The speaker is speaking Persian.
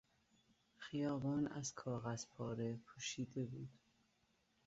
خیابان از کاغذ پاره پوشیده بود.